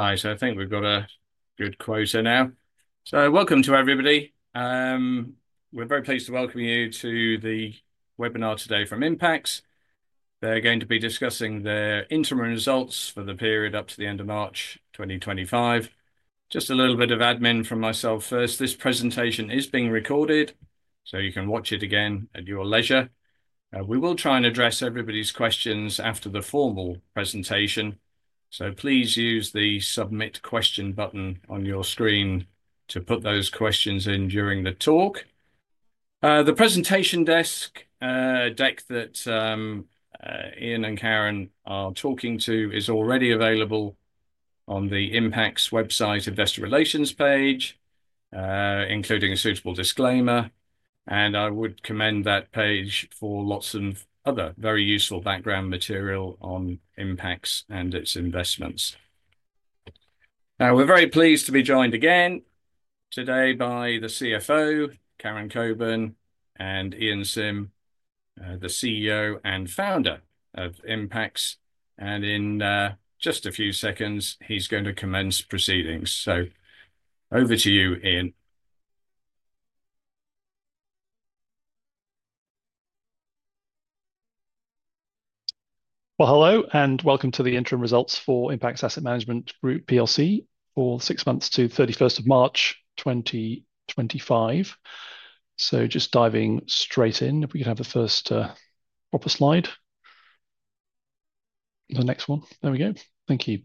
Right, I think we've got a good quota now. So welcome to everybody. We're very pleased to welcome you to the webinar today from Impax. They're going to be discussing their interim results for the period up to the end of March 2025. Just a little bit of admin from myself first. This presentation is being recorded, so you can watch it again at your leisure. We will try and address everybody's questions after the formal presentation, so please use the submit question button on your screen to put those questions in during the talk. The presentation deck that Ian and Karen are talking to is already available on the Impax website investor relations page, including a suitable disclaimer, and I would commend that page for lots of other very useful background material on Impax and its investments. Now, we're very pleased to be joined again today by the CFO, Karen Cockburn, and Ian Simm, the CEO and founder of Impax. In just a few seconds, he's going to commence proceedings. Over to you, Ian. Hello and welcome to the interim results for Impax Asset Management Group for six months to 31st of March 2025. Just diving straight in, if we can have the first proper slide. The next one. There we go. Thank you.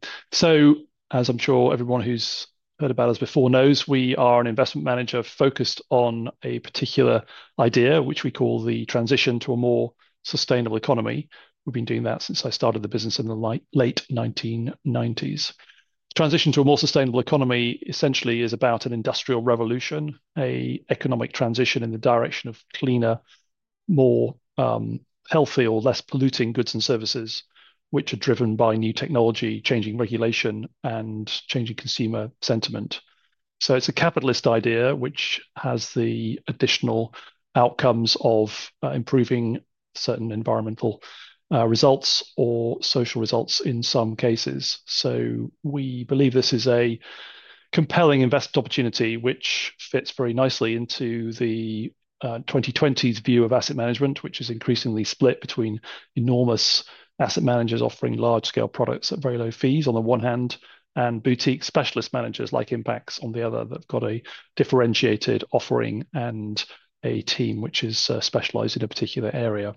As I'm sure everyone who's heard about us before knows, we are an investment manager focused on a particular idea, which we call the transition to a more sustainable economy. We've been doing that since I started the business in the late 1990s. Transition to a more sustainable economy essentially is about an industrial revolution, an economic transition in the direction of cleaner, more healthy, or less polluting goods and services, which are driven by new technology, changing regulation, and changing consumer sentiment. It's a capitalist idea, which has the additional outcomes of improving certain environmental results or social results in some cases. We believe this is a compelling investment opportunity, which fits very nicely into the 2020s view of asset management, which is increasingly split between enormous asset managers offering large-scale products at very low fees on the one hand, and boutique specialist managers like Impax on the other that have got a differentiated offering and a team which is specialized in a particular area.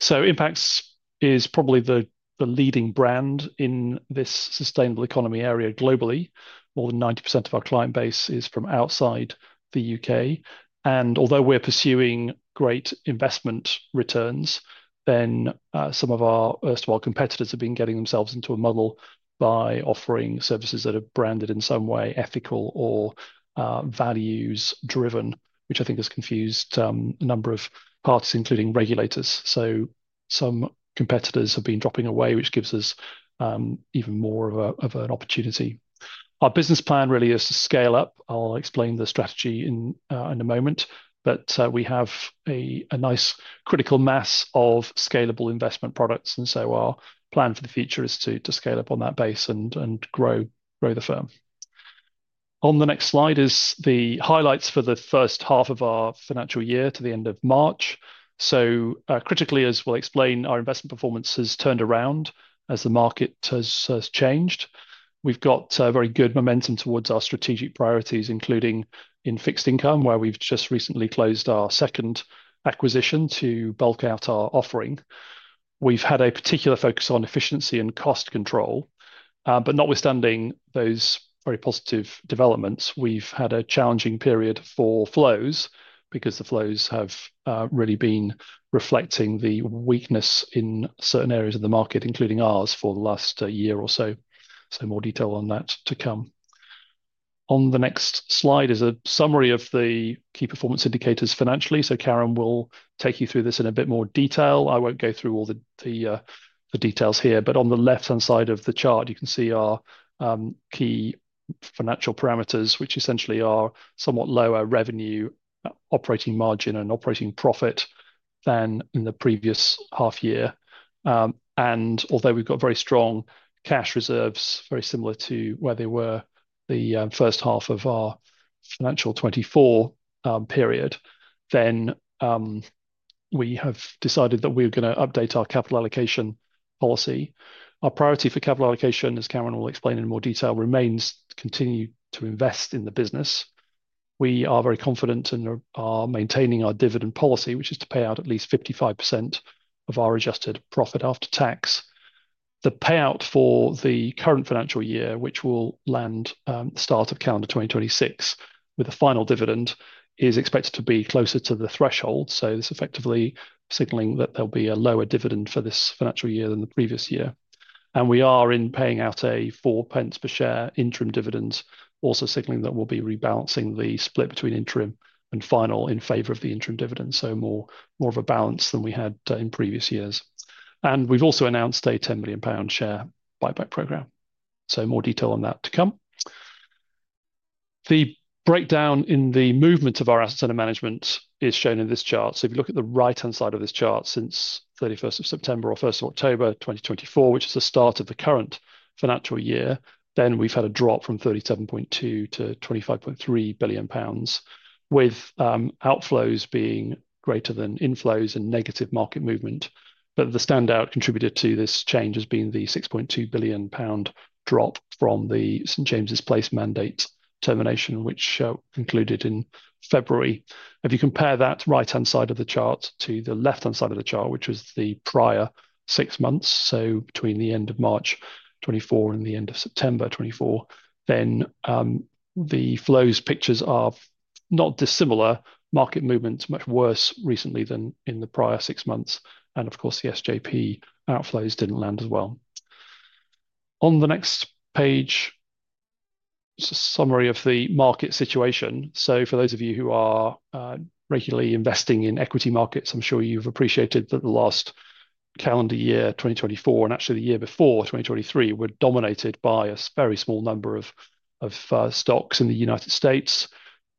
Impax is probably the leading brand in this sustainable economy area globally. More than 90% of our client base is from outside the U.K. Although we are pursuing great investment returns, some of our competitors have been getting themselves into a muddle by offering services that are branded in some way, ethical or values-driven, which I think has confused a number of parties, including regulators. Some competitors have been dropping away, which gives us even more of an opportunity. Our business plan really is to scale up. I'll explain the strategy in a moment, but we have a nice critical mass of scalable investment products, and our plan for the future is to scale up on that base and grow the firm. On the next slide is the highlights for the first half of our financial year to the end of March. Critically, as we'll explain, our investment performance has turned around as the market has changed. We've got very good momentum towards our strategic priorities, including in fixed income, where we've just recently closed our second acquisition to bulk out our offering. We've had a particular focus on efficiency and cost control, but notwithstanding those very positive developments, we've had a challenging period for flows because the flows have really been reflecting the weakness in certain areas of the market, including ours, for the last year or so. More detail on that to come. On the next slide is a summary of the key performance indicators financially. Karen will take you through this in a bit more detail. I won't go through all the details here, but on the left-hand side of the chart, you can see our key financial parameters, which essentially are somewhat lower revenue, operating margin, and operating profit than in the previous half year. Although we have very strong cash reserves, very similar to where they were the first half of our financial 2024 period, we have decided that we are going to update our capital allocation policy. Our priority for capital allocation, as Karen will explain in more detail, remains to continue to invest in the business. We are very confident and are maintaining our dividend policy, which is to pay out at least 55% of our adjusted profit after tax. The payout for the current financial year, which will land start of calendar 2026 with a final dividend, is expected to be closer to the threshold. This is effectively signaling that there will be a lower dividend for this financial year than the previous year. We are paying out a four pence per share interim dividend, also signaling that we will be rebalancing the split between interim and final in favor of the interim dividend, so more of a balance than we had in previous years. We have also announced a 10 million pound share buyback program. More detail on that to come. The breakdown in the movement of our assets under management is shown in this chart. If you look at the right-hand side of this chart since 31st of September or 1st of October 2024, which is the start of the current financial year, we have had a drop from 37.2 billion to 25.3 billion pounds, with outflows being greater than inflows and negative market movement. The standout contributor to this change has been the 6.2 billion pound drop from the St. James's Place mandate termination, which concluded in February. If you compare that right-hand side of the chart to the left-hand side of the chart, which was the prior six months, so between the end of March 2024 and the end of September 2024, then the flows pictures are not dissimilar. Market movement is much worse recently than in the prior six months. Of course, the SJP outflows did not land as well. On the next page, it is a summary of the market situation. For those of you who are regularly investing in equity markets, I am sure you have appreciated that the last calendar year, 2024, and actually the year before, 2023, were dominated by a very small number of stocks in the United States.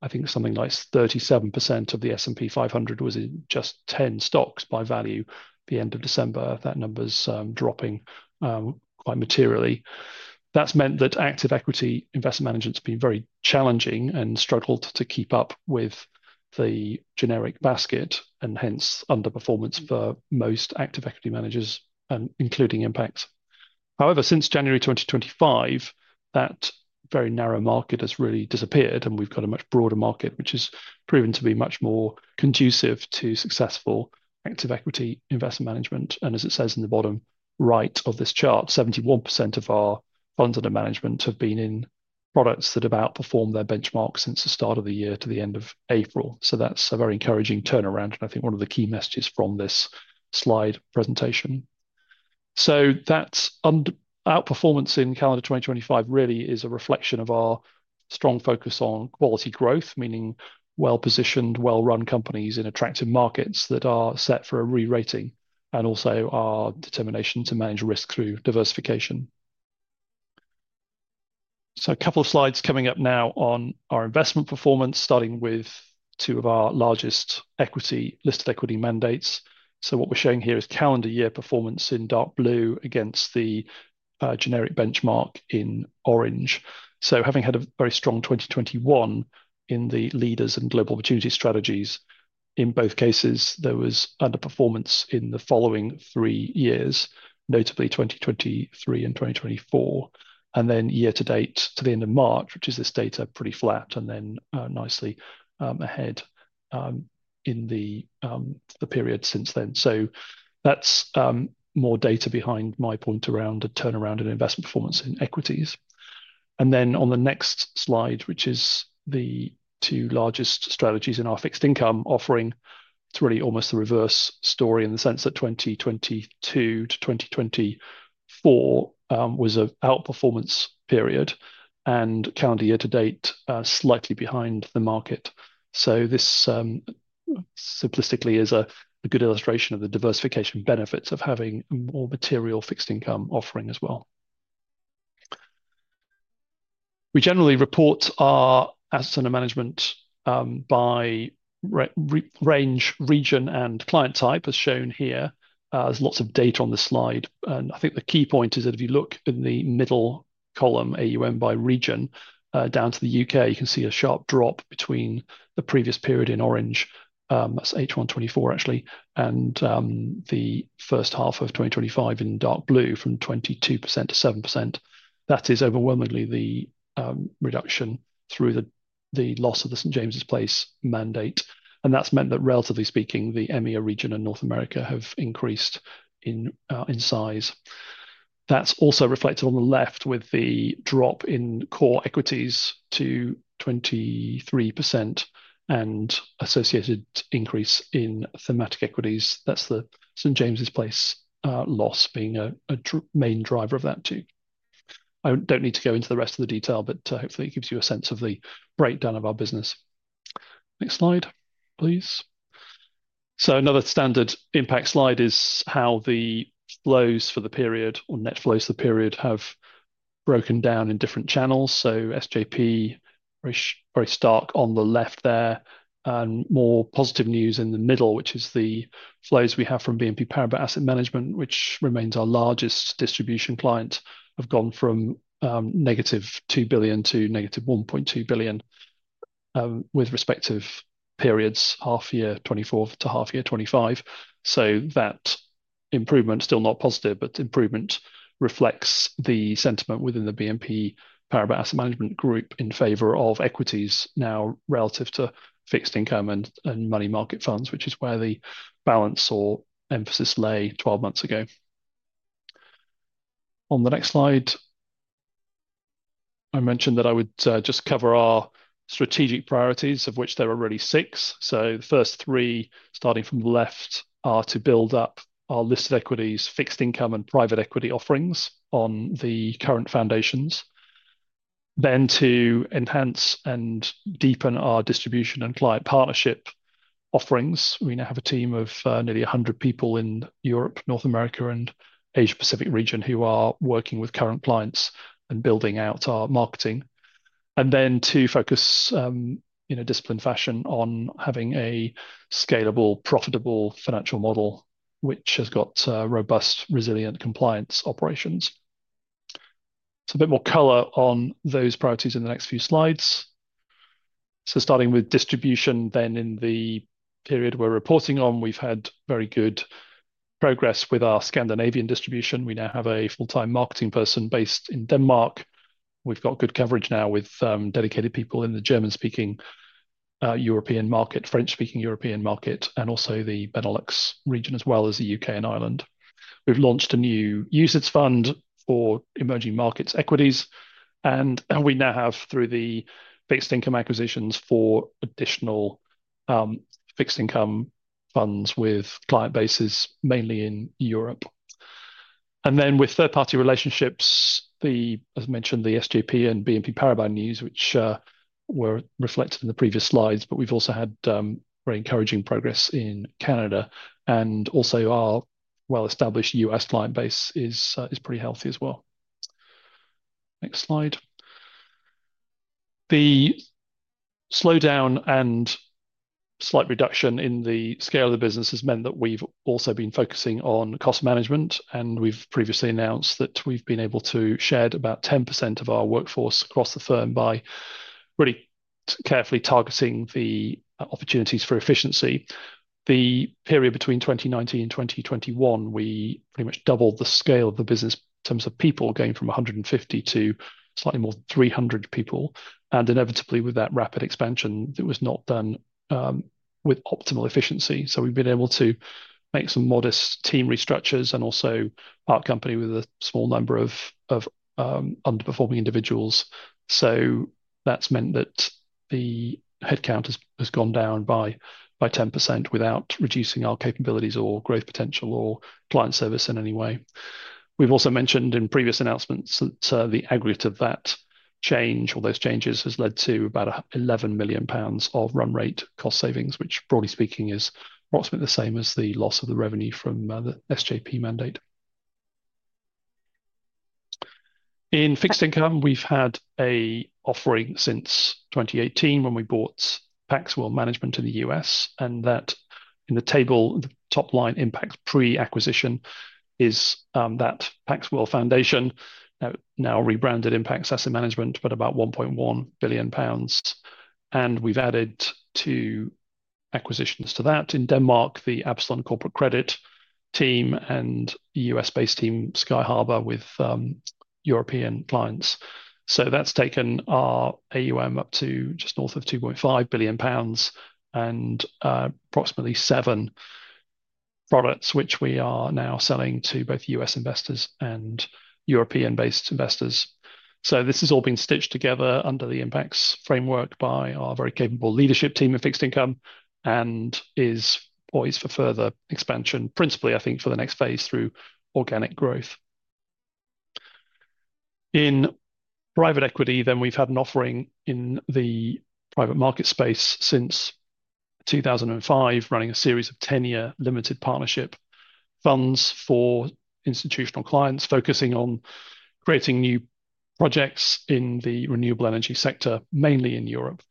I think something like 37% of the S&P 500 was in just 10 stocks by value at the end of December. That number is dropping quite materially. That's meant that active equity investment management has been very challenging and struggled to keep up with the generic basket and hence underperformance for most active equity managers, including Impax. However, since January 2025, that very narrow market has really disappeared, and we've got a much broader market, which has proven to be much more conducive to successful active equity investment management. As it says in the bottom right of this chart, 71% of our funds under management have been in products that have outperformed their benchmarks since the start of the year to the end of April. That's a very encouraging turnaround, and I think one of the key messages from this slide presentation. That outperformance in calendar 2025 really is a reflection of our strong focus on quality growth, meaning well-positioned, well-run companies in attractive markets that are set for a re-rating and also our determination to manage risk through diversification. A couple of slides coming up now on our investment performance, starting with two of our largest listed equity mandates. What we're showing here is calendar year performance in dark blue against the generic benchmark in orange. Having had a very strong 2021 in the Leaders and Global Opportunity strategies, in both cases, there was underperformance in the following three years, notably 2023 and 2024, and then year to date to the end of March, which is this data, pretty flat and then nicely ahead in the period since then. That is more data behind my point around a turnaround in investment performance in equities. On the next slide, which is the two largest strategies in our fixed income offering, it's really almost the reverse story in the sense that 2022 to 2024 was an outperformance period and calendar year to date slightly behind the market. This simplistically is a good illustration of the diversification benefits of having a more material fixed income offering as well. We generally report our assets under management by range, region, and client type, as shown here. There is lots of data on this slide. I think the key point is that if you look in the middle column, AUM by region, down to the U.K., you can see a sharp drop between the previous period in orange, that's H1 2024 actually, and the first half of 2025 in dark blue from 22% to 7%. That is overwhelmingly the reduction through the loss of the St. James's Place mandate. James's Place mandate. That has meant that, relatively speaking, the EMEA region and North America have increased in size. That is also reflected on the left with the drop in core equities to 23% and associated increase in thematic equities. That is the St. James's Place loss being a main driver of that too. I do not need to go into the rest of the detail, but hopefully it gives you a sense of the breakdown of our business. Next slide, please. Another standard Impax slide is how the flows for the period or net flows for the period have broken down in different channels. SJP, very stark on the left there, and more positive news in the middle, which is the flows we have from BNP Paribas Asset Management, which remains our largest distribution client, have gone from -2 billion to -1.2 billion with respective periods, half year 2024 to half year 2025. That improvement, still not positive, but improvement reflects the sentiment within the BNP Paribas Asset Management Group in favor of equities now relative to fixed income and money market funds, which is where the balance or emphasis lay 12 months ago. On the next slide, I mentioned that I would just cover our strategic priorities, of which there are really six. The first three, starting from the left, are to build up our listed equities, fixed income, and private equity offerings on the current foundations. Then to enhance and deepen our distribution and client partnership offerings. We now have a team of nearly 100 people in Europe, North America, and Asia-Pacific region who are working with current clients and building out our marketing. To focus in a disciplined fashion on having a scalable, profitable financial model, which has got robust, resilient compliance operations. A bit more color on those priorities in the next few slides. Starting with distribution, in the period we are reporting on, we have had very good progress with our Scandinavian distribution. We now have a full-time marketing person based in Denmark. We have good coverage now with dedicated people in the German-speaking European market, French-speaking European market, and also the Benelux region, as well as the U.K. and Ireland. We have launched a new UCITS fund for emerging markets equities, and we now have, through the fixed income acquisitions, four additional fixed income funds with client bases mainly in Europe. With third-party relationships, as I mentioned, the SJP and BNP Paribas news, which were reflected in the previous slides, we have also had very encouraging progress in Canada. Our well-established U.S. client base is pretty healthy as well. Next slide. The slowdown and slight reduction in the scale of the business has meant that we have also been focusing on cost management, and we have previously announced that we have been able to shed about 10% of our workforce across the firm by really carefully targeting the opportunities for efficiency. The period between 2019 and 2021, we pretty much doubled the scale of the business in terms of people, going from 150 to slightly more than 300 people. Inevitably, with that rapid expansion, it was not done with optimal efficiency. We have been able to make some modest team restructures and also part company with a small number of underperforming individuals. That has meant that the headcount has gone down by 10% without reducing our capabilities or growth potential or client service in any way. We have also mentioned in previous announcements that the aggregate of that change or those changes has led to about 11 million pounds of run rate cost savings, which, broadly speaking, is approximately the same as the loss of the revenue from the SJP mandate. In fixed income, we have had an offering since 2018 when we bought Paxwell Management in the U.S., and that in the table, the top line Impax pre-acquisition is that Paxwell foundation, now rebranded Impax Asset Management, but about 1.1 billion pounds. We have added two acquisitions to that in Denmark, the Absalon Corporate Credit team and U.S.-based team Sky Harbor with European clients. That's taken our AUM up to just north of 2.5 billion pounds and approximately seven products, which we are now selling to both U.S. investors and European-based investors. This has all been stitched together under the Impax framework by our very capable leadership team of fixed income and is poised for further expansion, principally, I think, for the next phase through organic growth. In private equity, we've had an offering in the private market space since 2005, running a series of ten-year limited partnership funds for institutional clients, focusing on creating new projects in the renewable energy sector, mainly in Europe.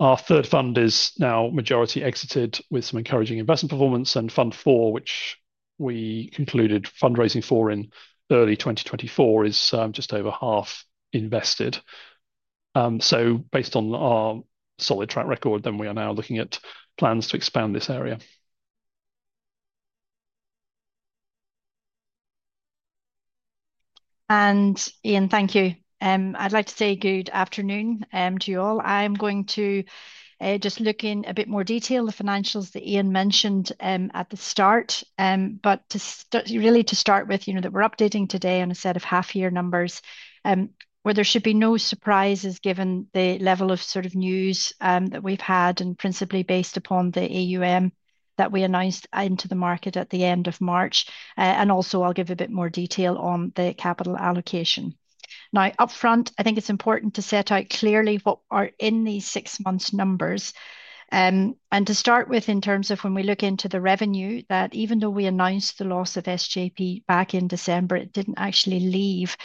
Our third fund is now majority exited with some encouraging investment performance, and fund four, which we concluded fundraising for in early 2024, is just over half invested. Based on our solid track record, we are now looking at plans to expand this area. Ian, thank you. I'd like to say good afternoon to you all. I am going to just look in a bit more detail on the financials that Ian mentioned at the start, but really to start with, you know, that we're updating today on a set of half-year numbers, where there should be no surprises given the level of sort of news that we've had and principally based upon the GBP 25.3 billion AUM that we announced into the market at the end of March. Also, I'll give a bit more detail on the capital allocation. Now, upfront, I think it's important to set out clearly what are in these six months' numbers. To start with, in terms of when we look into the revenue, even though we announced the loss of St. James's Place back in December, it didn't actually leave.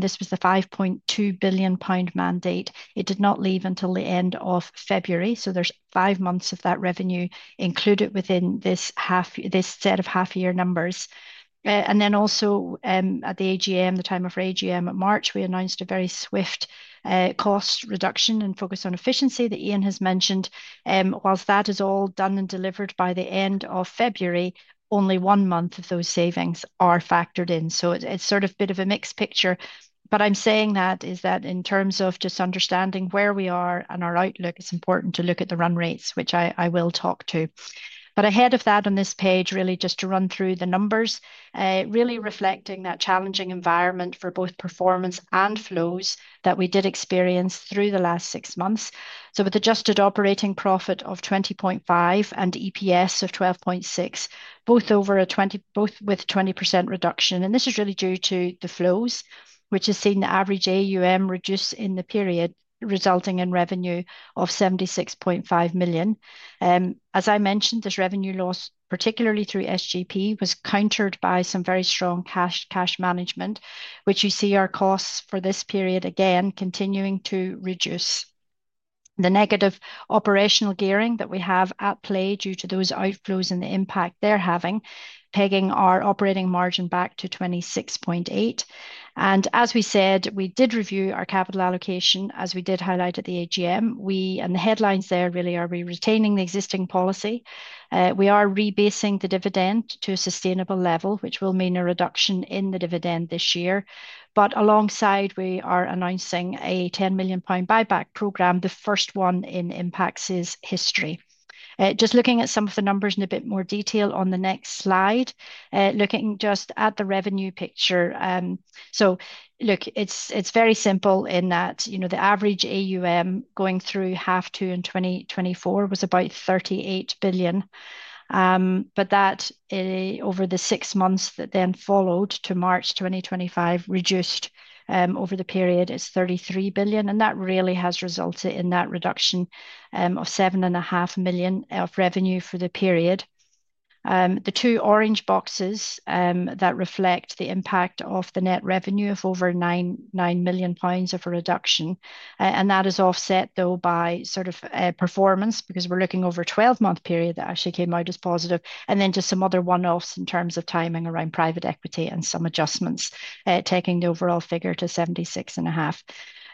This was the 5.2 billion pound mandate. It did not leave until the end of February. There are five months of that revenue included within this set of half-year numbers. At the time of the AGM in March, we announced a very swift cost reduction and focus on efficiency that Ian has mentioned. Whilst that is all done and delivered by the end of February, only one month of those savings are factored in. It is sort of a bit of a mixed picture. I am saying that in terms of just understanding where we are and our outlook, it is important to look at the run rates, which I will talk to. Ahead of that on this page, really just to run through the numbers, really reflecting that challenging environment for both performance and flows that we did experience through the last six months. With adjusted operating profit of 20.5 million and EPS of 12.6 pence, both with a 20% reduction. This is really due to the flows, which has seen the average AUM reduce in the period, resulting in revenue of 76.5 million. As I mentioned, this revenue loss, particularly through St. James's Place, was countered by some very strong cash management, which you see our costs for this period, again, continuing to reduce. The negative operational gearing that we have at play due to those outflows and the impact they are having pegging our operating margin back to 26.8%. As we said, we did review our capital allocation, as we did highlight at the AGM. The headlines there really are we are retaining the existing policy. We are rebasing the dividend to a sustainable level, which will mean a reduction in the dividend this year. Alongside, we are announcing a 10 million pound buyback program, the first one in Impax's history. Just looking at some of the numbers in a bit more detail on the next slide, looking just at the revenue picture. Look, it is very simple in that, you know, the average AUM going through half two in 2024 was about 38 billion. That, over the six months that then followed to March 2025, reduced over the period, it is 33 billion. That really has resulted in that reduction of 7.5 million of revenue for the period. The two orange boxes that reflect the impact of the net revenue of over 9 million pounds of a reduction. That is offset, though, by sort of performance, because we are looking over a 12-month period that actually came out as positive. Then just some other one-offs in terms of timing around private equity and some adjustments, taking the overall figure to 76.5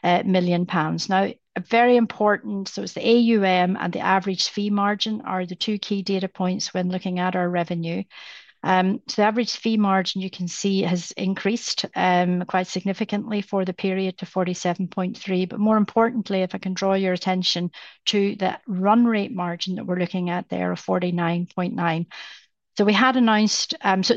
million pounds. Now, very important, it is the AUM and the average fee margin that are the two key data points when looking at our revenue. The average fee margin, you can see, has increased quite significantly for the period to 47.3. More importantly, if I can draw your attention to the run rate margin that we are looking at there of 49.9. We had announced,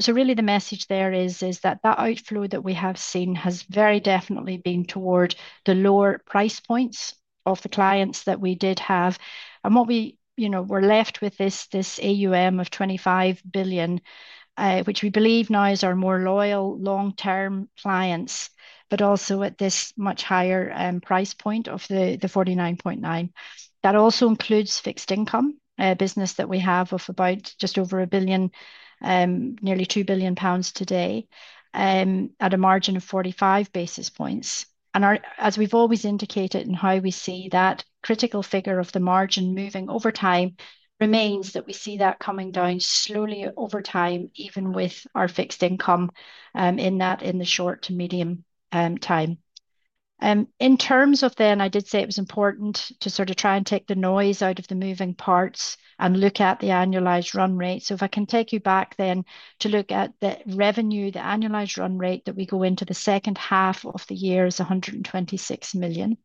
really the message there is that that outflow that we have seen has very definitely been toward the lower price points of the clients that we did have. What we, you know, were left with is this AUM of 25 billion, which we believe now is our more loyal long-term clients, but also at this much higher price point of the 49.9. That also includes fixed income business that we have of about just over a billion, nearly 2 billion pounds today, at a margin of 45 basis points. As we have always indicated in how we see that critical figure of the margin moving over time, it remains that we see that coming down slowly over time, even with our fixed income in that in the short to medium time. In terms of then, I did say it was important to sort of try and take the noise out of the moving parts and look at the annualized run rate. If I can take you back then to look at the revenue, the annualized run rate that we go into the second half of the year is 126 million.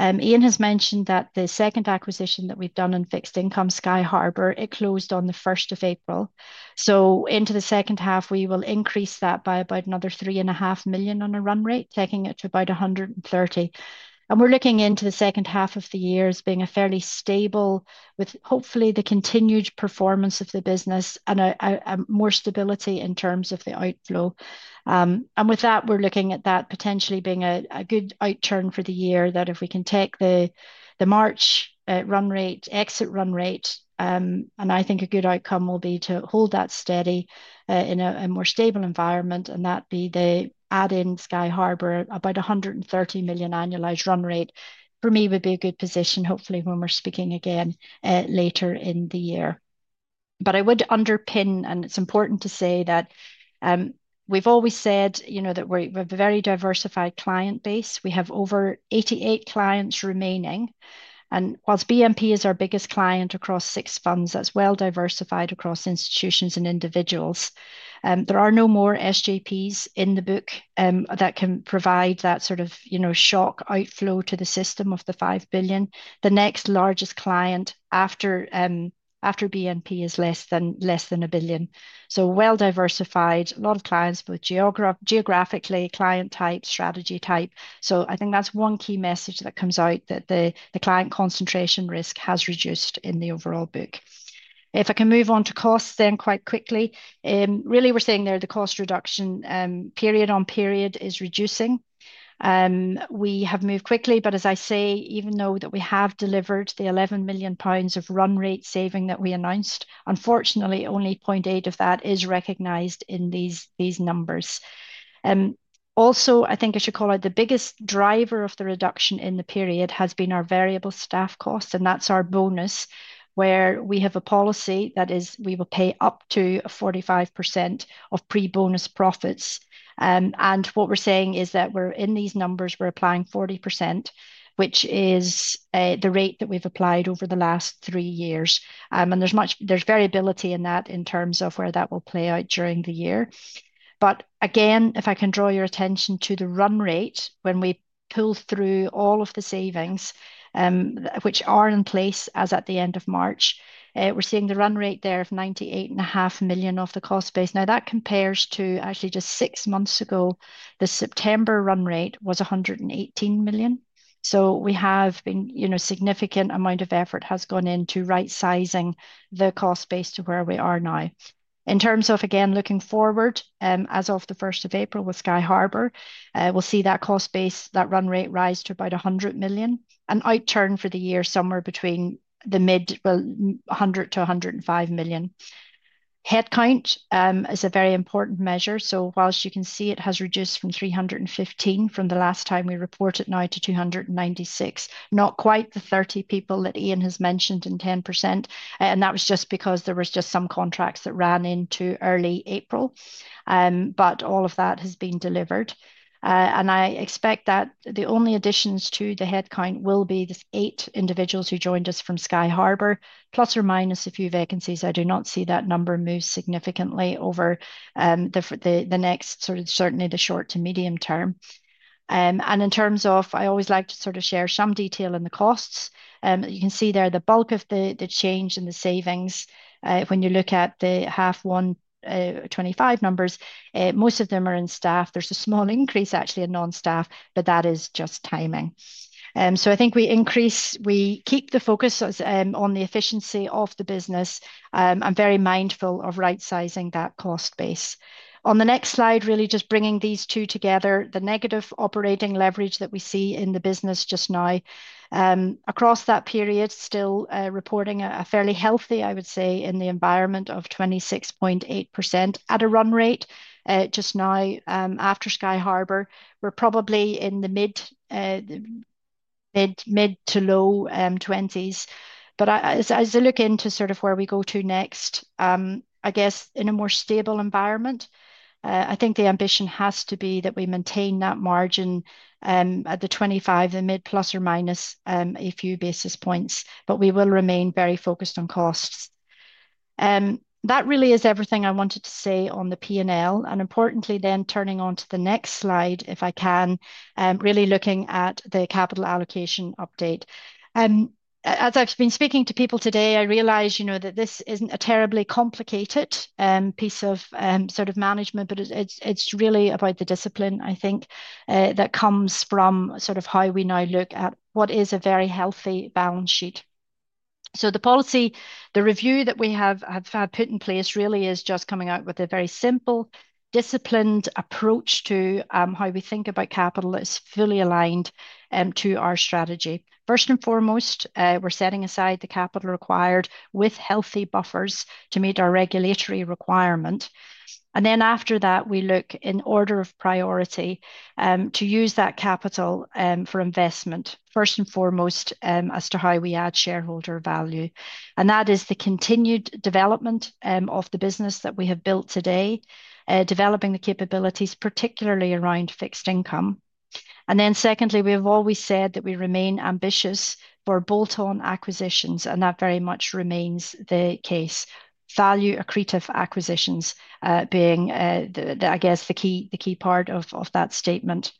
Ian has mentioned that the second acquisition that we have done in fixed income, Sky Harbor, it closed on the 1st of April. Into the second half, we will increase that by about another 3.5 million on a run rate, taking it to about 130 million. We are looking into the second half of the year as being fairly stable with hopefully the continued performance of the business and more stability in terms of the outflow. With that, we're looking at that potentially being a good outturn for the year that if we can take the March run rate, exit run rate, and I think a good outcome will be to hold that steady in a more stable environment and that be the add-in Sky Harbor, about 130 million annualized run rate, for me would be a good position, hopefully when we're speaking again later in the year. I would underpin, and it's important to say that we've always said, you know, that we have a very diversified client base. We have over 88 clients remaining. Whilst BNP Paribas is our biggest client across six funds, that's well diversified across institutions and individuals. There are no more St. James's Places in the book that can provide that sort of, you know, shock outflow to the system of the 5 billion. The next largest client after BNP is less than 1 billion. So well diversified, a lot of clients, both geographically, client type, strategy type. I think that's one key message that comes out that the client concentration risk has reduced in the overall book. If I can move on to costs then quite quickly, really we're seeing there the cost reduction period on period is reducing. We have moved quickly, but as I say, even though we have delivered the 11 million pounds of run rate saving that we announced, unfortunately, only 0.8 million of that is recognized in these numbers. Also, I think I should call out the biggest driver of the reduction in the period has been our variable staff costs, and that's our bonus, where we have a policy that is we will pay up to 45% of pre-bonus profits. What we're saying is that we're in these numbers, we're applying 40%, which is the rate that we've applied over the last three years. There's variability in that in terms of where that will play out during the year. Again, if I can draw your attention to the run rate, when we pull through all of the savings, which are in place as at the end of March, we're seeing the run rate there of 98.5 million of the cost base. That compares to actually just six months ago, the September run rate was 118 million. We have been, you know, a significant amount of effort has gone into right-sizing the cost base to where we are now. In terms of, again, looking forward, as of the 1st of April with Sky Harbor, we'll see that cost base, that run rate rise to about 100 million. An outturn for the year somewhere between the mid 100 million-105 million. Headcount is a very important measure. So whilst you can see it has reduced from 315 from the last time we reported now to 296, not quite the 30 people that Ian has mentioned in 10%. That was just because there were just some contracts that ran into early April. All of that has been delivered. I expect that the only additions to the headcount will be the eight individuals who joined us from Sky Harbor, plus or minus a few vacancies. I do not see that number move significantly over the next sort of certainly the short to medium term. In terms of, I always like to sort of share some detail in the costs. You can see there the bulk of the change in the savings, when you look at the half one 2025 numbers, most of them are in staff. There is a small increase actually in non-staff, but that is just timing. I think we increase, we keep the focus on the efficiency of the business and are very mindful of right-sizing that cost base. On the next slide, really just bringing these two together, the negative operating leverage that we see in the business just now, across that period, still reporting a fairly healthy, I would say, in the environment of 26.8% at a run rate just now after Sky Harbor, we are probably in the mid-to-low 20s. As I look into sort of where we go to next, I guess in a more stable environment, I think the ambition has to be that we maintain that margin at the 25, the mid plus or minus a few basis points, but we will remain very focused on costs. That really is everything I wanted to say on the P&L. Importantly then, turning on to the next slide, if I can, really looking at the capital allocation update. As I have been speaking to people today, I realize, you know, that this is not a terribly complicated piece of sort of management, but it is really about the discipline, I think, that comes from sort of how we now look at what is a very healthy balance sheet. The policy, the review that we have put in place really is just coming out with a very simple, disciplined approach to how we think about capital that is fully aligned to our strategy. First and foremost, we're setting aside the capital required with healthy buffers to meet our regulatory requirement. After that, we look in order of priority to use that capital for investment, first and foremost, as to how we add shareholder value. That is the continued development of the business that we have built today, developing the capabilities, particularly around fixed income. Secondly, we have always said that we remain ambitious for bolt-on acquisitions, and that very much remains the case. Value accretive acquisitions being, I guess, the key part of that statement.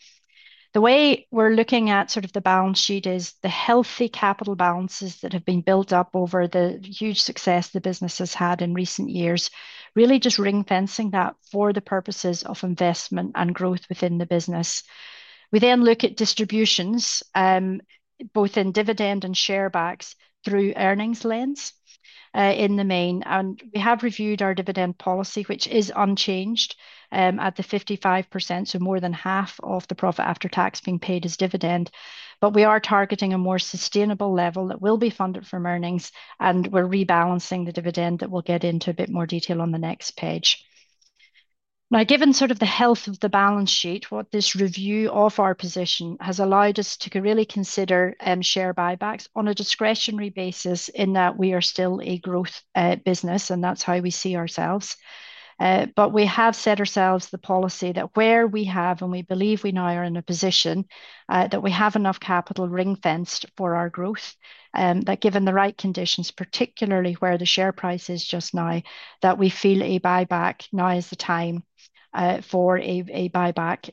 The way we're looking at sort of the balance sheet is the healthy capital balances that have been built up over the huge success the business has had in recent years, really just ring-fencing that for the purposes of investment and growth within the business. We then look at distributions, both in dividend and share backs through earnings lens in the main. We have reviewed our dividend policy, which is unchanged at the 55%, so more than half of the profit after tax being paid as dividend. We are targeting a more sustainable level that will be funded from earnings, and we're rebalancing the dividend that we'll get into a bit more detail on the next page. Now, given sort of the health of the balance sheet, what this review of our position has allowed us to really consider share buybacks on a discretionary basis in that we are still a growth business, and that's how we see ourselves. We have set ourselves the policy that where we have, and we believe we now are in a position that we have enough capital ring-fenced for our growth, that given the right conditions, particularly where the share price is just now, we feel a buyback now is the time for a buyback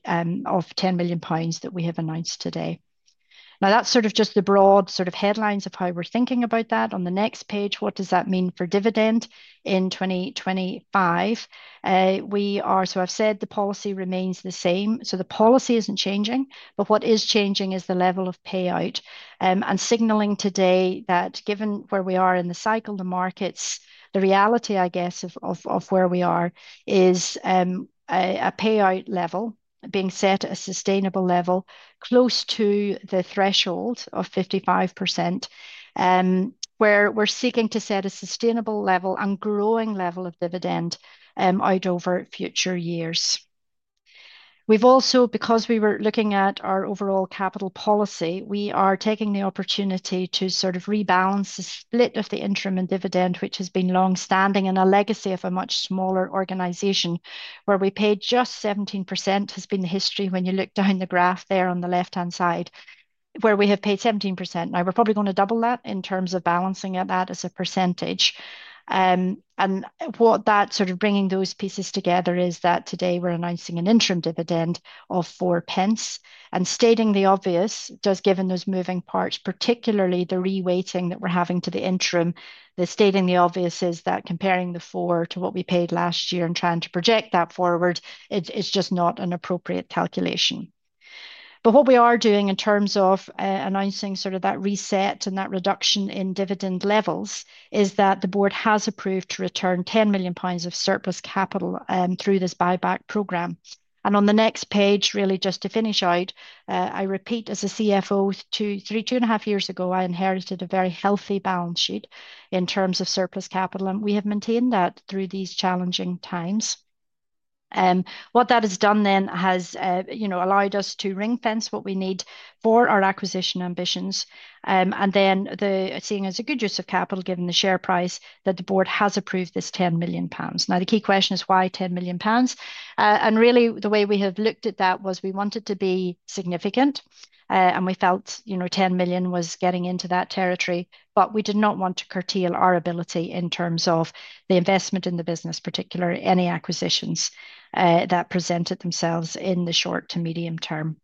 of 10 million pounds that we have announced today. That's sort of just the broad sort of headlines of how we're thinking about that. On the next page, what does that mean for dividend in 2025? We are, so I've said the policy remains the same. The policy isn't changing, but what is changing is the level of payout and signaling today that given where we are in the cycle, the markets, the reality, I guess, of where we are is a payout level being set at a sustainable level close to the threshold of 55%, where we're seeking to set a sustainable level and growing level of dividend out over future years. We've also, because we were looking at our overall capital policy, we are taking the opportunity to sort of rebalance the split of the interim and dividend, which has been longstanding and a legacy of a much smaller organization, where we paid just 17% has been the history when you look down the graph there on the left-hand side, where we have paid 17%. Now, we're probably going to double that in terms of balancing at that as a percentage. What that sort of bringing those pieces together is that today we're announcing an interim dividend of 0.04. Stating the obvious, given those moving parts, particularly the reweighting that we're having to the interim, the stating the obvious is that comparing the four to what we paid last year and trying to project that forward, it's just not an appropriate calculation. What we are doing in terms of announcing sort of that reset and that reduction in dividend levels is that the board has approved to return 10 million pounds of surplus capital through this buyback program. On the next page, really just to finish out, I repeat, as a CFO, two, three, two and a half years ago, I inherited a very healthy balance sheet in terms of surplus capital, and we have maintained that through these challenging times. What that has done then has, you know, allowed us to ring-fence what we need for our acquisition ambitions. You know, seeing as a good use of capital given the share price that the board has approved this 10 million pounds. Now, the key question is why 10 million pounds? Really the way we have looked at that was we wanted to be significant, and we felt, you know, 10 million was getting into that territory, but we did not want to curtail our ability in terms of the investment in the business, particularly any acquisitions that presented themselves in the short to medium term.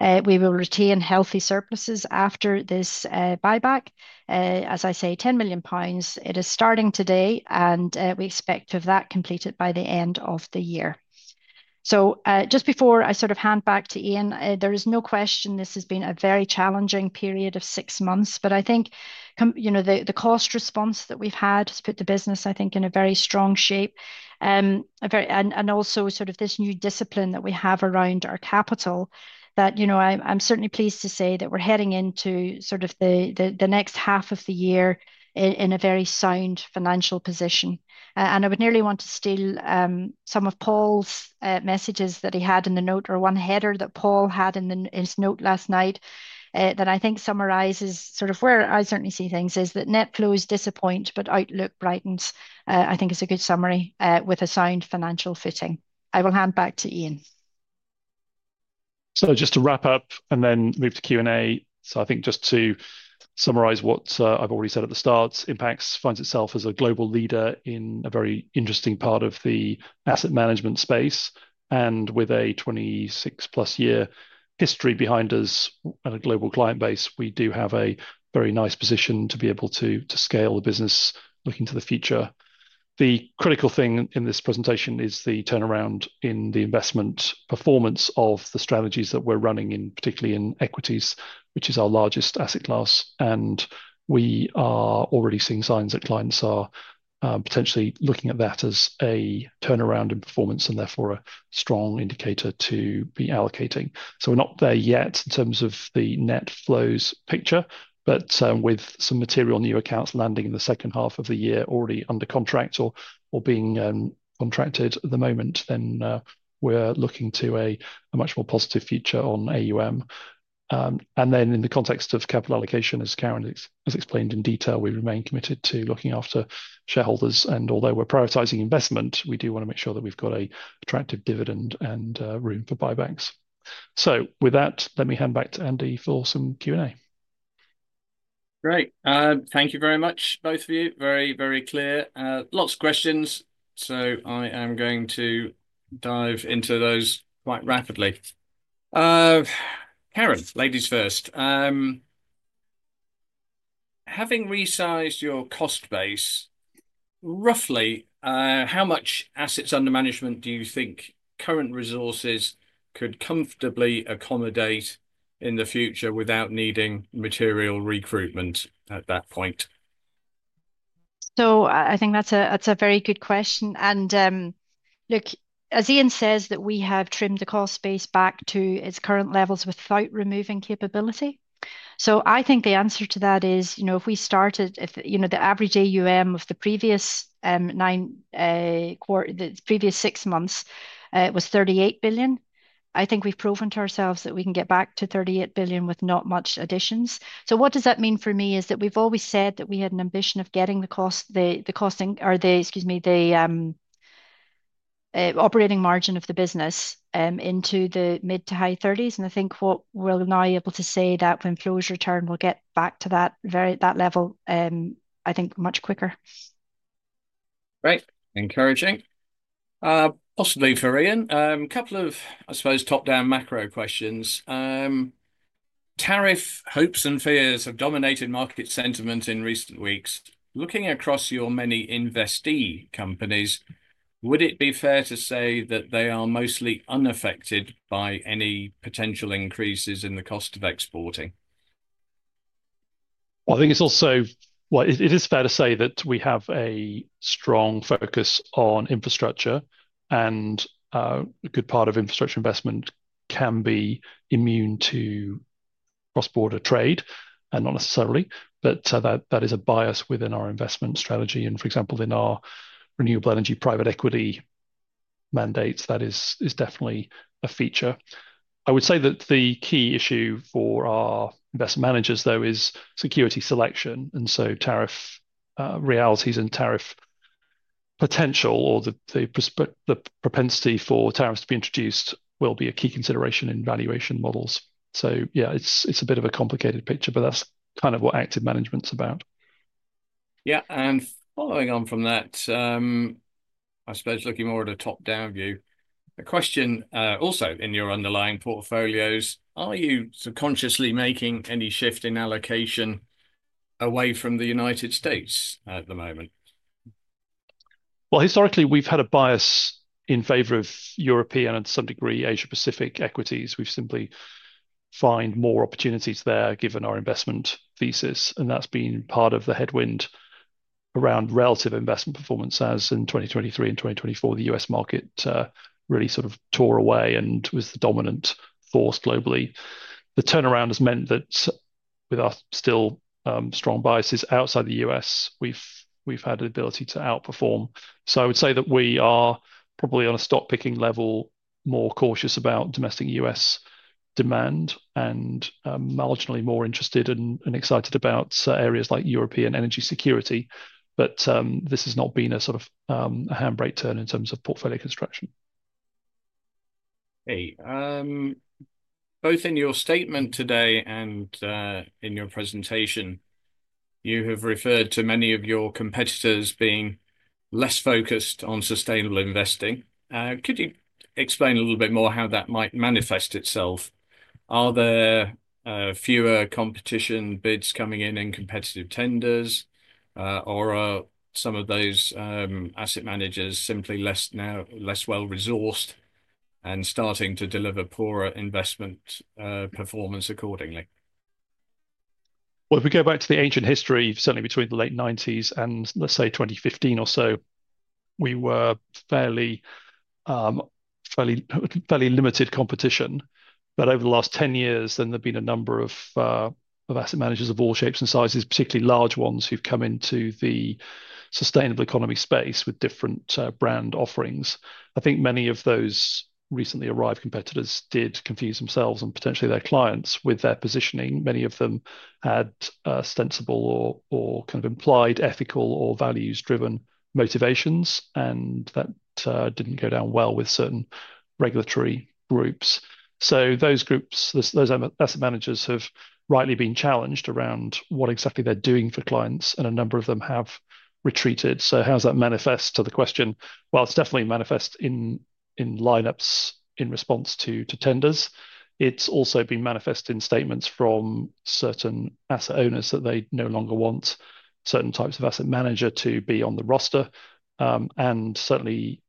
We will retain healthy surpluses after this buyback. As I say, 10 million pounds, it is starting today, and we expect to have that completed by the end of the year. Just before I sort of hand back to Ian, there is no question this has been a very challenging period of six months, but I think, you know, the cost response that we've had has put the business, I think, in a very strong shape. Also, sort of this new discipline that we have around our capital that, you know, I'm certainly pleased to say that we're heading into sort of the next half of the year in a very sound financial position. I would nearly want to steal some of Paul's messages that he had in the note or one header that Paul had in his note last night that I think summarizes sort of where I certainly see things is that net flows disappoint, but outlook brightens, I think is a good summary with a sound financial fitting. I will hand back to Ian. Just to wrap up and then move to Q&A. I think just to summarize what I've already said at the start, Impax finds itself as a global leader in a very interesting part of the asset management space. With a 26+ year history behind us and a global client base, we do have a very nice position to be able to scale the business looking to the future. The critical thing in this presentation is the turnaround in the investment performance of the strategies that we're running in, particularly in equities, which is our largest asset class. We are already seeing signs that clients are potentially looking at that as a turnaround in performance and therefore a strong indicator to be allocating. We're not there yet in terms of the net flows picture, but with some material new accounts landing in the second half of the year already under contract or being contracted at the moment, we're looking to a much more positive future on AUM. In the context of capital allocation, as Karen has explained in detail, we remain committed to looking after shareholders. Although we're prioritizing investment, we do want to make sure that we've got an attractive dividend and room for buybacks. With that, let me hand back to Andy for some Q&A. Great. Thank you very much, both of you. Very, very clear. Lots of questions. I am going to dive into those quite rapidly. Karen, ladies first. Having resized your cost base, roughly how much assets under management do you think current resources could comfortably accommodate in the future without needing material recruitment at that point? I think that's a very good question. Look, as Ian says, we have trimmed the cost base back to its current levels without removing capability. I think the answer to that is, you know, if we started, you know, the average AUM of the previous nine quarters, the previous six months, it was 38 billion. I think we've proven to ourselves that we can get back to 38 billion with not much additions. What that means for me is that we've always said that we had an ambition of getting the cost, the costing or the, excuse me, the operating margin of the business into the mid-to-high 30%. I think what we'll now be able to say is that when flows return, we'll get back to that level, I think, much quicker. Great. Encouraging. Possibly for Ian, a couple of, I suppose, top-down macro questions. Tariff hopes and fears have dominated market sentiment in recent weeks. Looking across your many investee companies, would it be fair to say that they are mostly unaffected by any potential increases in the cost of exporting? I think it is also fair to say that we have a strong focus on infrastructure, and a good part of infrastructure investment can be immune to cross-border trade and not necessarily, but that is a bias within our investment strategy. For example, in our renewable energy private equity mandates, that is definitely a feature. I would say that the key issue for our investment managers, though, is security selection. Tariff realities and tariff potential or the propensity for tariffs to be introduced will be a key consideration in valuation models. Yeah, it is a bit of a complicated picture, but that is kind of what active management is about. Yeah. Following on from that, I suppose looking more at a top down view, the question also in your underlying portfolios, are you subconsciously making any shift in allocation away from the United States at the moment? Historically, we have had a bias in favor of European and to some degree Asia-Pacific equities. We have simply found more opportunities there given our investment thesis. That has been part of the headwind around relative investment performance as in 2023 and 2024, the U.S. market really sort of tore away and was the dominant force globally. The turnaround has meant that with our still strong biases outside the U.S., we've had an ability to outperform. I would say that we are probably on a stock picking level more cautious about domestic U.S. demand and marginally more interested and excited about areas like European energy security. This has not been a sort of a handbrake turn in terms of portfolio construction. Hey, both in your statement today and in your presentation, you have referred to many of your competitors being less focused on sustainable investing. Could you explain a little bit more how that might manifest itself? Are there fewer competition bids coming in and competitive tenders, or are some of those asset managers simply less now, less well resourced and starting to deliver poorer investment performance accordingly? If we go back to the ancient history, certainly between the late 1990s and let's say 2015 or so, we were fairly limited competition. Over the last 10 years, there have been a number of asset managers of all shapes and sizes, particularly large ones, who have come into the sustainable economy space with different brand offerings. I think many of those recently arrived competitors did confuse themselves and potentially their clients with their positioning. Many of them had sensible or kind of implied ethical or values-driven motivations, and that did not go down well with certain regulatory groups. Those groups, those asset managers, have rightly been challenged around what exactly they are doing for clients, and a number of them have retreated. How does that manifest to the question? It is definitely manifest in lineups in response to tenders. It's also been manifest in statements from certain asset owners that they no longer want certain types of asset manager to be on the roster. Certainly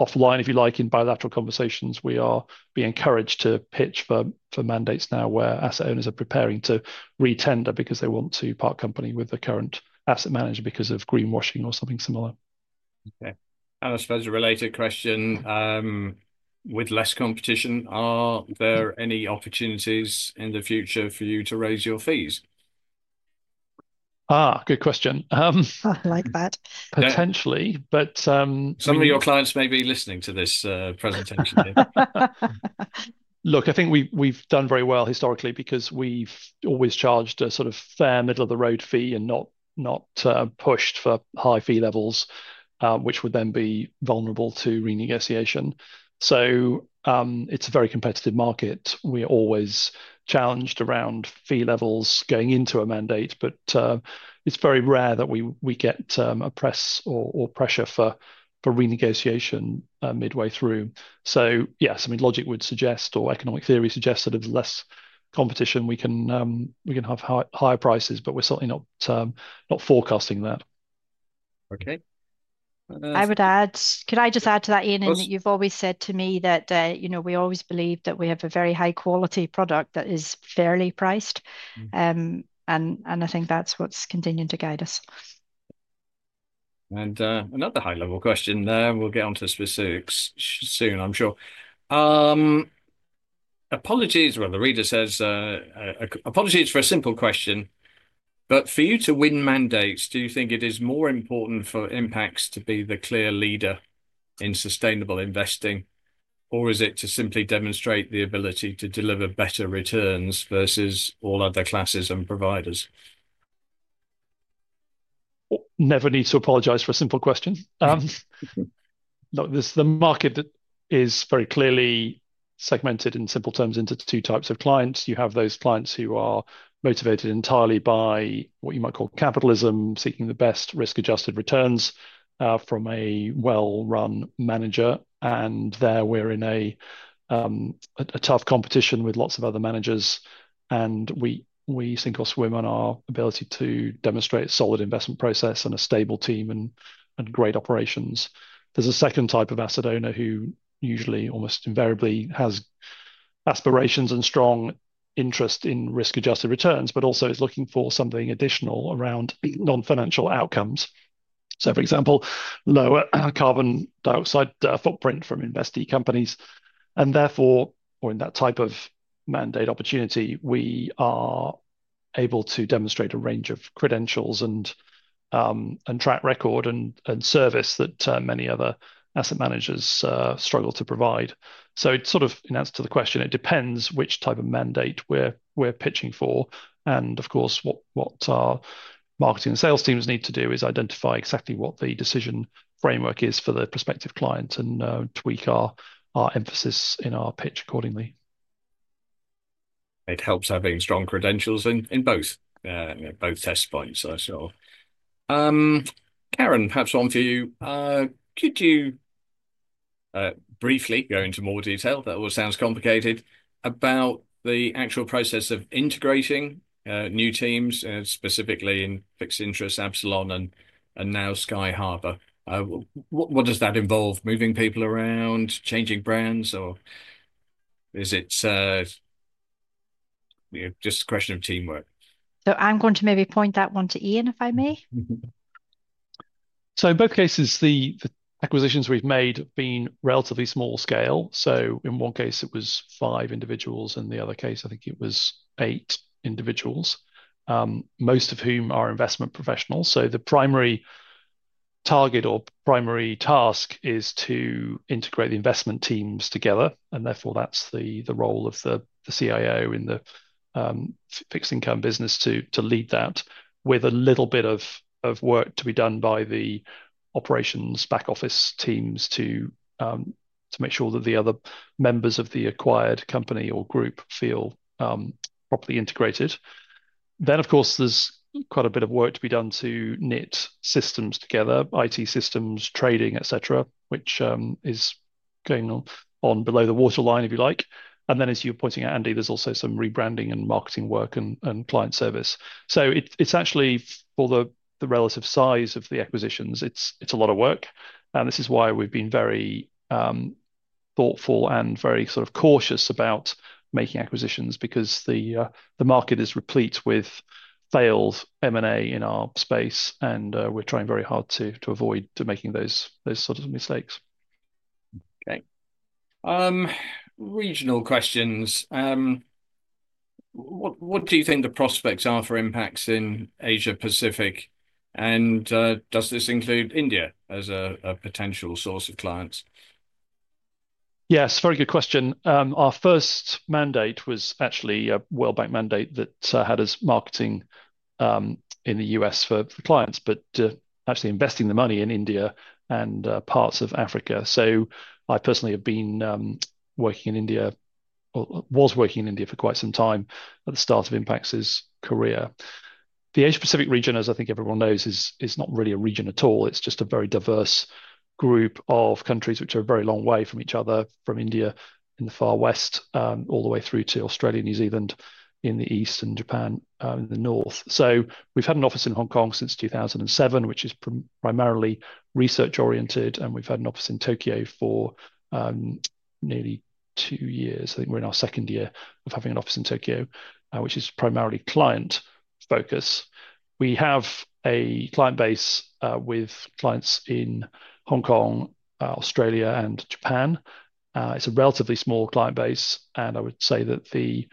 offline, if you like, in bilateral conversations, we are being encouraged to pitch for mandates now where asset owners are preparing to retender because they want to part company with the current asset manager because of greenwashing or something similar. Okay. I suppose a related question, with less competition, are there any opportunities in the future for you to raise your fees? Good question. I like that. Potentially, but some of your clients may be listening to this presentation here. Look, I think we've done very well historically because we've always charged a sort of fair middle of the road fee and not pushed for high fee levels, which would then be vulnerable to renegotiation. It is a very competitive market. We are always challenged around fee levels going into a mandate, but it's very rare that we get a press or pressure for renegotiation midway through. Yes, I mean, logic would suggest or economic theory suggests that there's less competition. We can have higher prices, but we're certainly not forecasting that. Okay. I would add, could I just add to that, Ian, that you've always said to me that, you know, we always believe that we have a very high quality product that is fairly priced. I think that's what's continuing to guide us. Another high level question there. We'll get on to specifics soon, I'm sure. Apologies, the reader says, apologies for a simple question, but for you to win mandates, do you think it is more important for Impax to be the clear leader in sustainable investing, or is it to simply demonstrate the ability to deliver better returns versus all other classes and providers? Never need to apologize for a simple question. Look, the market is very clearly segmented in simple terms into two types of clients. You have those clients who are motivated entirely by what you might call capitalism, seeking the best risk-adjusted returns from a well-run manager. There we are in a tough competition with lots of other managers. We sink or swim on our ability to demonstrate a solid investment process and a stable team and great operations. is a second type of asset owner who usually almost invariably has aspirations and strong interest in risk-adjusted returns, but also is looking for something additional around non-financial outcomes. For example, lower carbon dioxide footprint from investee companies. Therefore, in that type of mandate opportunity, we are able to demonstrate a range of credentials and track record and service that many other asset managers struggle to provide. It is sort of in answer to the question, it depends which type of mandate we are pitching for. Of course, what our marketing and sales teams need to do is identify exactly what the decision framework is for the prospective client and tweak our emphasis in our pitch accordingly. It helps having strong credentials in both test points, I am sure. Karen, perhaps one for you. Could you briefly go into more detail? That always sounds complicated about the actual process of integrating new teams, specifically in fixed income, Absalon, and now Sky Harbor. What does that involve? Moving people around, changing brands, or is it just a question of teamwork? I'm going to maybe point that one to Ian, if I may. In both cases, the acquisitions we've made have been relatively small scale. In one case, it was five individuals, and in the other case, I think it was eight individuals, most of whom are investment professionals. The primary target or primary task is to integrate the investment teams together. Therefore, that's the role of the CIO in the fixed income business to lead that, with a little bit of work to be done by the operations back office teams to make sure that the other members of the acquired company or group feel properly integrated. Of course, there's quite a bit of work to be done to knit systems together, IT systems, trading, etc., which is going on below the waterline, if you like. As you're pointing out, Andy, there's also some rebranding and marketing work and client service. It's actually, for the relative size of the acquisitions, a lot of work. This is why we've been very thoughtful and very sort of cautious about making acquisitions because the market is replete with failed M&A in our space. We're trying very hard to avoid making those sort of mistakes. Okay. Regional questions. What do you think the prospects are for Impax in Asia-Pacific? Does this include India as a potential source of clients? Yes, very good question. Our first mandate was actually a World Bank mandate that had us marketing in the U.S. for clients, but actually investing the money in India and parts of Africa. I personally have been working in India, or was working in India for quite some time at the start of Impax's career. The Asia-Pacific region, as I think everyone knows, is not really a region at all. It is just a very diverse group of countries which are a very long way from each other, from India in the far west, all the way through to Australia, New Zealand in the east, and Japan in the north. We have had an office in Hong Kong since 2007, which is primarily research oriented. We have had an office in Tokyo for nearly two years. I think we're in our second year of having an office in Tokyo, which is primarily client focus. We have a client base with clients in Hong Kong, Australia, and Japan. It's a relatively small client base. I would say that the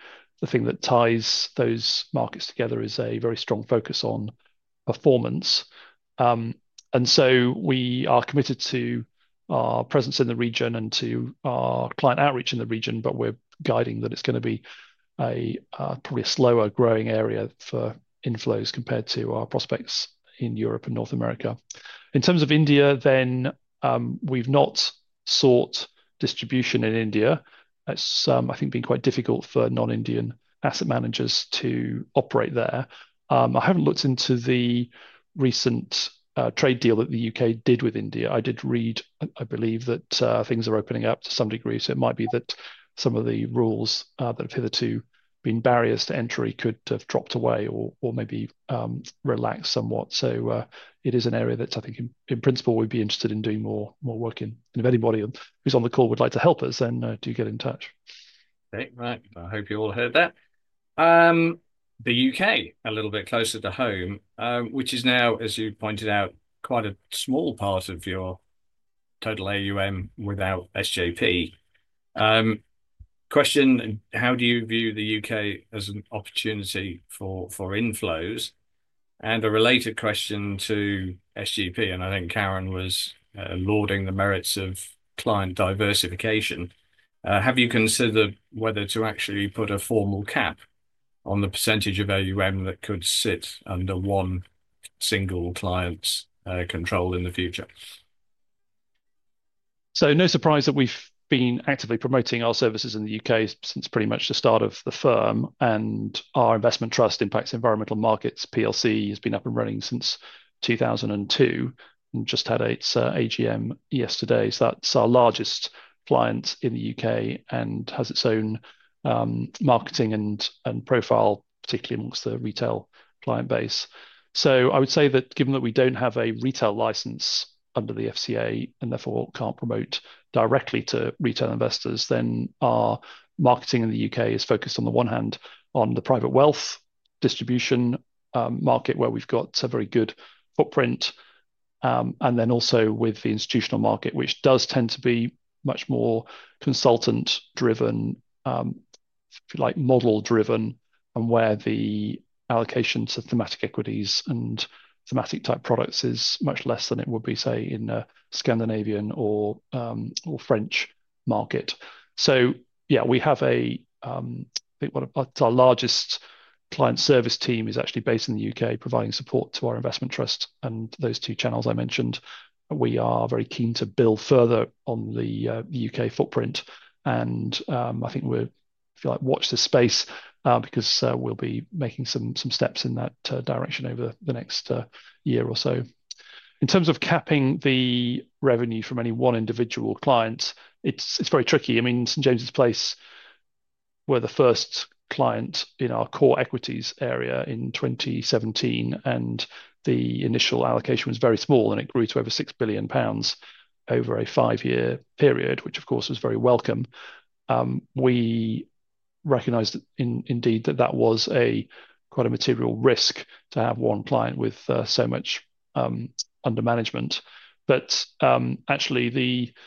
thing that ties those markets together is a very strong focus on performance. We are committed to our presence in the region and to our client outreach in the region, but we're guiding that it's going to be probably a slower growing area for inflows compared to our prospects in Europe and North America. In terms of India, we've not sought distribution in India. It's, I think, been quite difficult for non-Indian asset managers to operate there. I haven't looked into the recent trade deal that the U.K. did with India. I did read, I believe, that things are opening up to some degree. It might be that some of the rules that have hitherto been barriers to entry could have dropped away or maybe relaxed somewhat. It is an area that I think, in principle, we'd be interested in doing more work in. If anybody who's on the call would like to help us, then do get in touch. Okay, right. I hope you all heard that. The U.K., a little bit closer to home, which is now, as you pointed out, quite a small part of your total AUM without SJP. Question, how do you view the U.K. as an opportunity for inflows? A related question to SJP, and I think Karen was lauding the merits of client diversification. Have you considered whether to actually put a formal cap on the percentage of AUM that could sit under one single client's control in the future? No surprise that we've been actively promoting our services in the U.K. since pretty much the start of the firm. Our investment trust, Impax Environmental Markets PLC, has been up and running since 2002 and just had its AGM yesterday. That's our largest client in the U.K. and has its own marketing and profile, particularly amongst the retail client base. I would say that given that we don't have a retail license under the FCA and therefore can't promote directly to retail investors, our marketing in the U.K. is focused on the one hand on the private wealth distribution market where we've got a very good footprint. With the institutional market, which does tend to be much more consultant driven, if you like, model driven, and where the allocation to thematic equities and thematic type products is much less than it would be, say, in a Scandinavian or French market. We have a, I think it's our largest client service team is actually based in the U.K. providing support to our investment trust and those two channels I mentioned. We are very keen to build further on the U.K. footprint. I think we're, if you like, watch the space because we'll be making some steps in that direction over the next year or so. In terms of capping the revenue from any one individual client, it's very tricky. I mean, St. James's Place. James's Place were the first client in our core equities area in 2017, and the initial allocation was very small, and it grew to over 6 billion pounds over a five-year period, which of course was very welcome. We recognized indeed that that was quite a material risk to have one client with so much under management. I mean, it's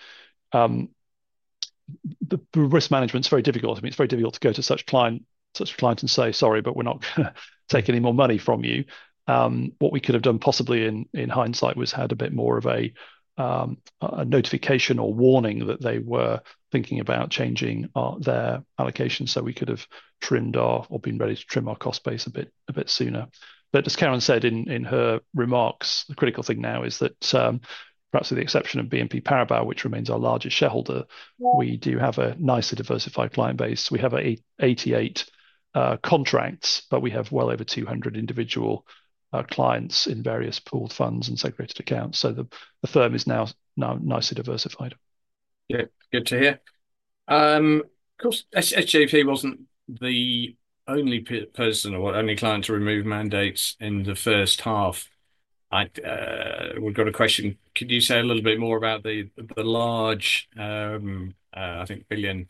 very difficult to go to such clients and say, "Sorry, but we're not going to take any more money from you." What we could have done possibly in hindsight was had a bit more of a notification or warning that they were thinking about changing their allocation so we could have trimmed our or been ready to trim our cost base a bit sooner. As Karen said in her remarks, the critical thing now is that perhaps with the exception of BNP Paribas, which remains our largest shareholder, we do have a nicely diversified client base. We have 88 contracts, but we have well over 200 individual clients in various pooled funds and segregated accounts. The firm is now nicely diversified. Good to hear. Of course, SJP was not the only person or only client to remove mandates in the first half. We have got a question. Could you say a little bit more about the large, I think, billion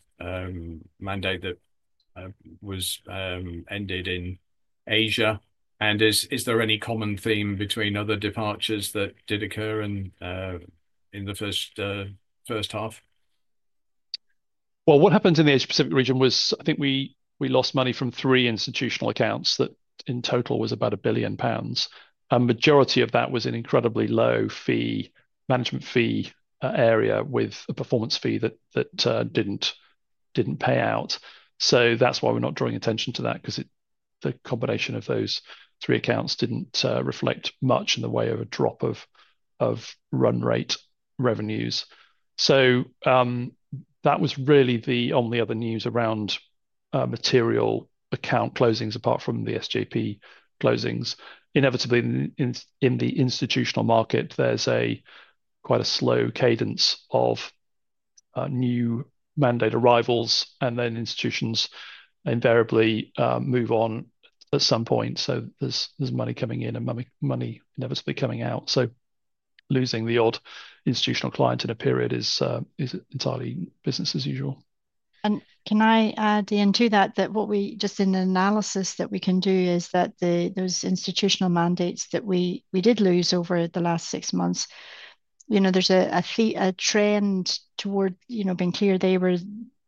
mandate that was ended in Asia? Is there any common theme between other departures that did occur in the first half? What happened in the Asia-Pacific region was, I think we lost money from three institutional accounts that in total was about 1 billion pounds. A majority of that was an incredibly low fee, management fee area with a performance fee that did not pay out. That is why we are not drawing attention to that because the combination of those three accounts did not reflect much in the way of a drop of run rate revenues. That was really the only other news around material account closings apart from the SJP closings. Inevitably, in the institutional market, there is quite a slow cadence of new mandate arrivals, and then institutions invariably move on at some point. There is money coming in and money inevitably coming out. Losing the odd institutional client in a period is entirely business as usual. Can I add in to that that what we just in the analysis that we can do is that those institutional mandates that we did lose over the last six months, there is a trend toward being clear they were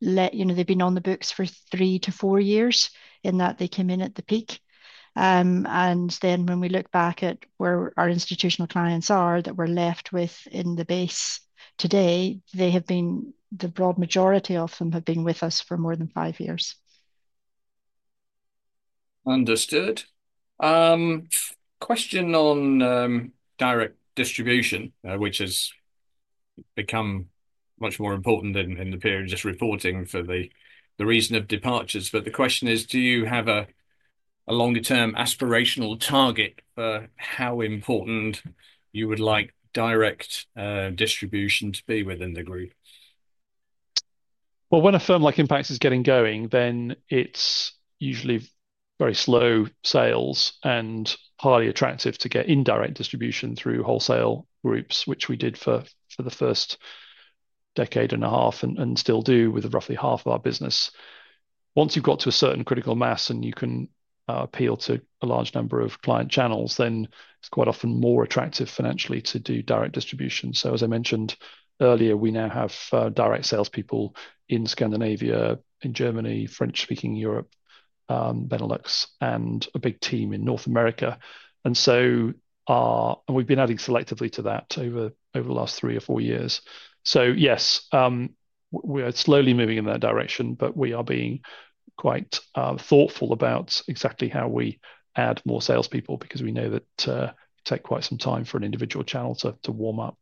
let, they have been on the books for three to four years in that they came in at the peak. When we look back at where our institutional clients are that we are left with in the base today, the broad majority of them have been with us for more than five years. Understood. Question on direct distribution, which has become much more important in the period of just reporting for the reason of departures. The question is, do you have a longer-term aspirational target for how important you would like direct distribution to be within the group? When a firm like Impax is getting going, then it's usually very slow sales and highly attractive to get indirect distribution through wholesale groups, which we did for the first decade and a half and still do with roughly half of our business. Once you've got to a certain critical mass and you can appeal to a large number of client channels, then it's quite often more attractive financially to do direct distribution. As I mentioned earlier, we now have direct salespeople in Scandinavia, in Germany, French-speaking Europe, Benelux, and a big team in North America. We've been adding selectively to that over the last three or four years. Yes, we're slowly moving in that direction, but we are being quite thoughtful about exactly how we add more salespeople because we know that it takes quite some time for an individual channel to warm up.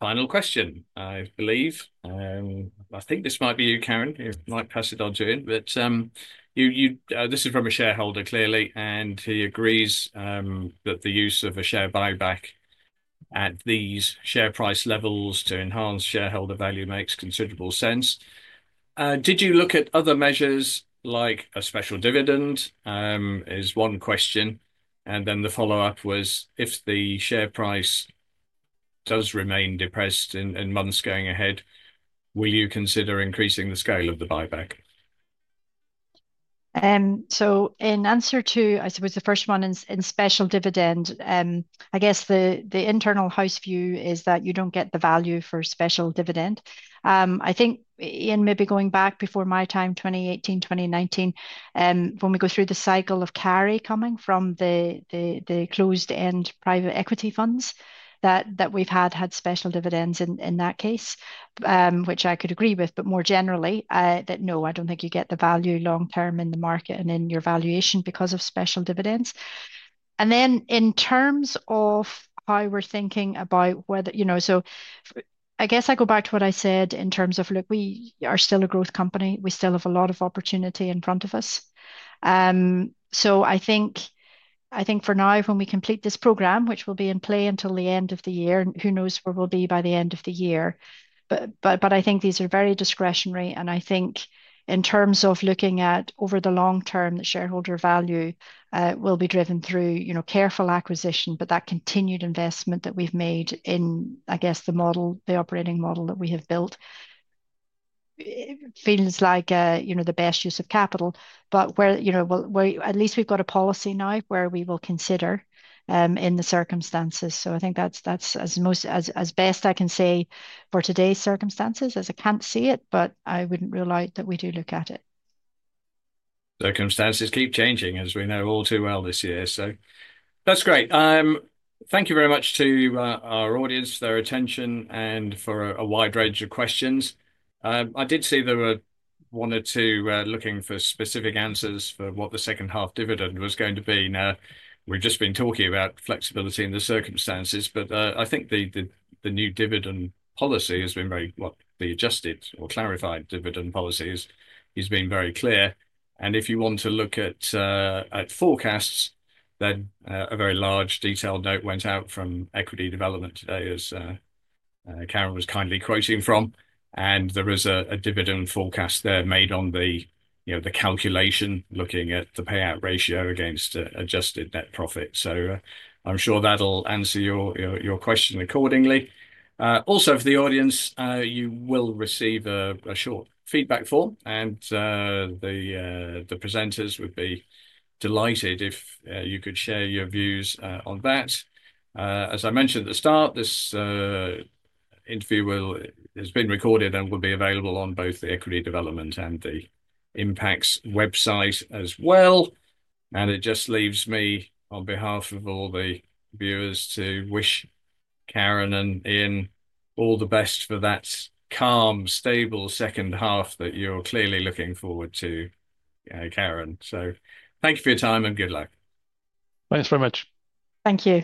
Final question, I believe. I think this might be you, Karen, if you might pass it on to him. This is from a shareholder clearly, and he agrees that the use of a share buyback at these share price levels to enhance shareholder value makes considerable sense. Did you look at other measures like a special dividend? Is one question. The follow-up was, if the share price does remain depressed in months going ahead, will you consider increasing the scale of the buyback? In answer to, I suppose, the first one is in special dividend, I guess the internal house view is that you do not get the value for special dividend. I think, Ian, maybe going back before my time, 2018, 2019, when we go through the cycle of carry coming from the closed-end private equity funds that we've had, had special dividends in that case, which I could agree with, but more generally, that no, I don't think you get the value long-term in the market and in your valuation because of special dividends. In terms of how we're thinking about whether, I guess I go back to what I said in terms of, look, we are still a growth company. We still have a lot of opportunity in front of us. I think for now, when we complete this program, which will be in play until the end of the year, and who knows where we'll be by the end of the year, I think these are very discretionary. I think in terms of looking at over the long term, the shareholder value will be driven through careful acquisition, but that continued investment that we've made in, I guess, the model, the operating model that we have built feels like the best use of capital. At least we've got a policy now where we will consider in the circumstances. I think that's as best I can say for today's circumstances as I can't see it, but I wouldn't rule out that we do look at it. Circumstances keep changing, as we know all too well this year. That's great. Thank you very much to our audience for their attention and for a wide range of questions. I did see there were one or two looking for specific answers for what the second half dividend was going to be. Now, we've just been talking about flexibility in the circumstances, but I think the new dividend policy has been very well adjusted or clarified. Dividend policy has been very clear. If you want to look at forecasts, then a very large detailed note went out from Equity Development today, as Karen was kindly quoting from. There was a dividend forecast there made on the calculation, looking at the payout ratio against adjusted net profit. I'm sure that'll answer your question accordingly. Also, for the audience, you will receive a short feedback form, and the presenters would be delighted if you could share your views on that. As I mentioned at the start, this interview has been recorded and will be available on both the Equity Development and the Impax website as well. It just leaves me, on behalf of all the viewers, to wish Karen and Ian all the best for that calm, stable second half that you're clearly looking forward to, Karen. Thank you for your time and good luck. Thanks very much. Thank you.